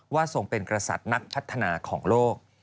ทรงเป็นกษัตริย์นักพัฒนาของโลก